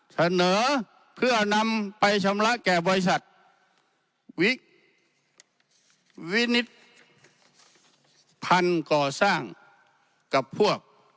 เสนอเพื่อนำไปชำระแก่บริษัทวินิตพันธุ์ก่อสร้างกับพวก